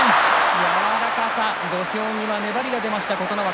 柔らかさ、土俵際逆転粘りが出ました琴ノ若。